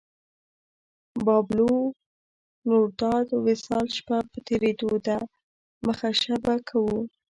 پابلو نوروداد وصال شپه په تېرېدو ده مخه شه به کوو